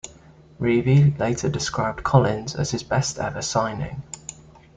Revie later described Collins as his best ever signing.